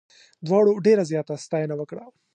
دواړو ډېره زیاته ستاینه وکړه.